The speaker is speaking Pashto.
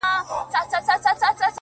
o تا په درد كاتــــه اشــــنــــا،